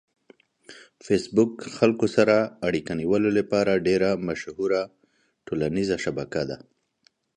فېسبوک خلک سره اړیکه نیولو لپاره ډېره مشهوره ټولنیزه شبکه ده.